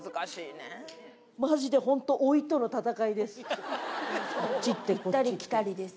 まじで、本当、老いとの戦いです。